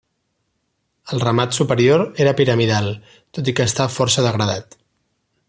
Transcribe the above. El remat superior era piramidal, tot i que està força degradat.